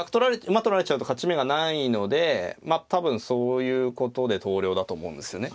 馬取られちゃうと勝ち目がないのでまあ多分そういうことで投了だと思うんですよね。